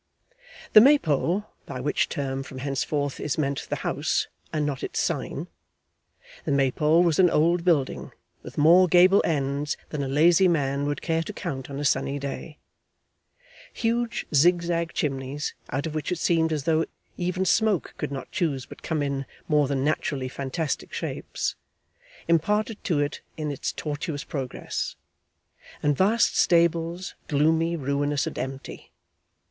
The Maypole by which term from henceforth is meant the house, and not its sign the Maypole was an old building, with more gable ends than a lazy man would care to count on a sunny day; huge zig zag chimneys, out of which it seemed as though even smoke could not choose but come in more than naturally fantastic shapes, imparted to it in its tortuous progress; and vast stables, gloomy, ruinous, and empty.